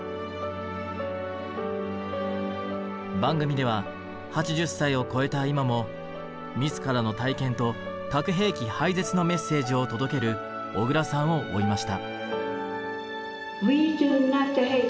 番組では８０歳を超えた今も自らの体験と核兵器廃絶のメッセージを届ける小倉さんを追いました。